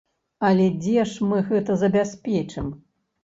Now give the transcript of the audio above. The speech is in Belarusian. Але дзе ж мы гэта забяспечым?